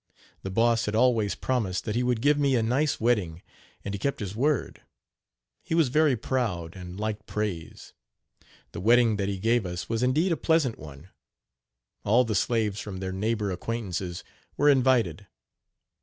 The Boss had always promised that he would give me a nice wedding, and he kept his word. He was very proud, and liked praise. The wedding that he gave us was indeed a pleasant one. All the slaves from their neighbor acquaintances were invited.